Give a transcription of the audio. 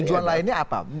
tujuan lainnya apa